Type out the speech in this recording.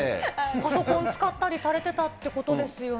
パソコン使ったりされてたということですよね。